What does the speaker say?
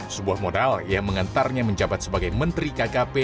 sebuah modal yang mengantarnya menjabat sebagai menteri kkp